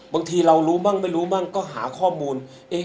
บางทีเรารู้บ้างไม่รู้บ้างก็หาข้อมูล